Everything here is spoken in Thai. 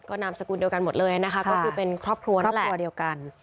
ก็นำสกุลเดียวกันหมดเลยนะคะก็คือเป็นครอบครัวนั่นแหละ